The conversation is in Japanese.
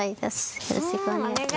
よろしくお願いします。